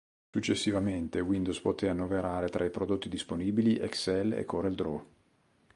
Successivamente, Windows poté annoverare tra i prodotti disponibili Excel e Corel Draw.